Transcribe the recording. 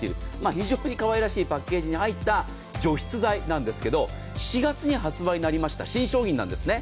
非常に可愛らしいパッケージに入った除湿剤なんですが４月に発売になった新商品なんですね。